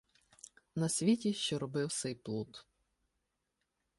На світі що робив сей плут.